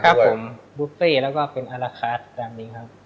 ครับผมบุฟเฟ่แล้วก็เป็นอาราคาสแบบนี้ครับ